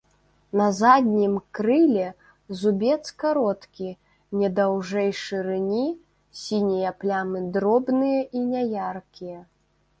На заднім крыле зубец кароткі, не даўжэй шырыні, сінія плямы дробныя і няяркія.